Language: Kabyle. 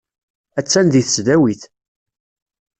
Attan deg tesdawit.